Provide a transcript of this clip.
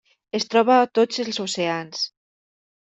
Es troba a tots els oceans.